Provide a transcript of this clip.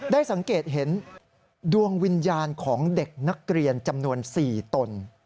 ได้สังเกตเห็นดวงวิญญาณของเด็กนักเรียนจำนวน๔ตน